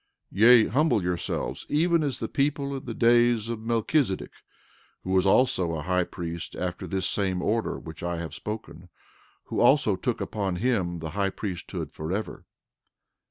13:14 Yea, humble yourselves even as the people in the days of Melchizedek, who was also a high priest after this same order which I have spoken, who also took upon him the high priesthood forever.